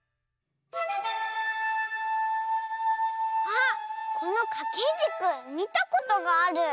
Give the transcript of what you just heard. あっこのかけじくみたことがある。